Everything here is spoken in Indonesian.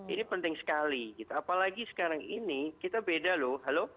ini penting sekali apalagi sekarang ini kita beda loh halo